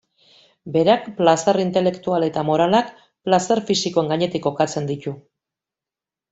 Berak, plazer intelektual eta moralak plazer fisikoen gainetik kokatzen ditu.